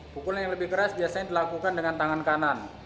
pukulan yang lebih keras biasanya dilakukan dengan tangan kanan